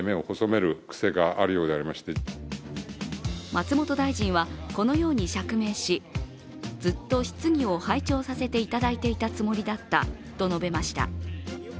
松本大臣はこのように釈明し、ずっと質疑を拝聴させていただいていたつもりだったと述べました。